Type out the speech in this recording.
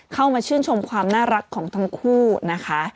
เข้ามาชื่นชมความน่ารักของทั้งคู่นะคะ